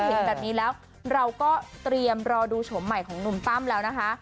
เห็นแบบนี้แล้วเราก็เตรียมรอดูโฉมใหม่ของหนุ่มตั้มแล้วนะคะ